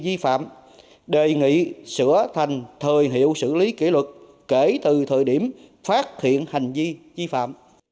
di phạm đề nghị sửa thành thời hiệu xử lý kỷ luật kể từ thời điểm phát hiện hành vi di phạm